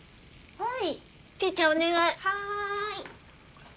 はい。